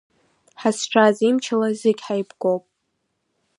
Ҳазшаз имчала зегь ҳаибгоуп.